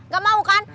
gak mau kan